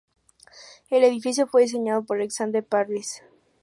El edificio fue diseñado por Alexander Parris.